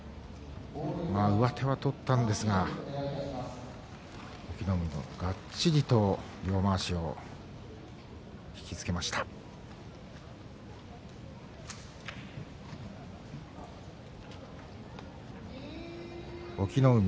上手は取ったんですががっちりと両まわしを引き付けました、隠岐の海。